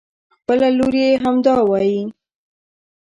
خپله لور يې هم همدا وايي.